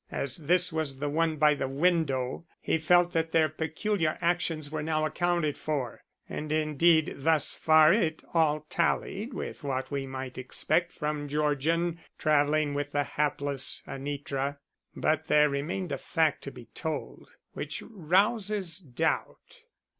As this was the one by the window, he felt that their peculiar actions were now accounted for, and indeed thus far it all tallied with what we might expect from Georgian traveling with the hapless Anitra. But there remained a fact to be told, which rouses doubt.